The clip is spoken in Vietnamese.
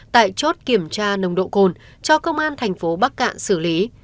tại chốt kiểm tra nồng độ cồn cho công an thành phố bắc cạn xử lý